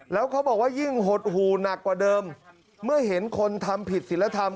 แล้วเขาบอกว่ายิ่งหดหูหนักกว่าเดิมเมื่อเห็นคนทำผิดศิลธรรม